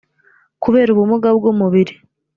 kubera ubumuga bw’umubiri